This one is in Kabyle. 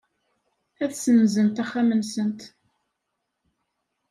Ad ssenzent axxam-nsent.